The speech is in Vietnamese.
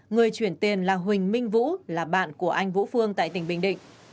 người chuyển tiền là huỳnh minh vũ là bạn của anh vũ phương tại tỉnh bình định